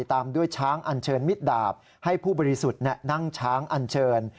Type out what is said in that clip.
ตามด้วยช้างอันเชิญมิดดาบให้ผู้บริสุทธิ์นั่งช้างอันเชิญ